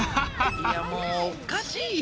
いやもうおかしいよ。